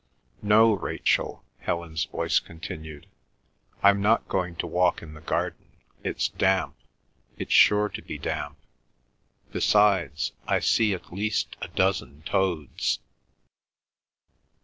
"No, Rachel," Helen's voice continued, "I'm not going to walk in the garden; it's damp—it's sure to be damp; besides, I see at least a dozen toads."